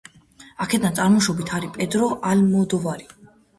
აქედან წარმოშობით არის პედრო ალმოდოვარი.